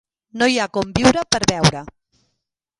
No hi ha com viure per veure.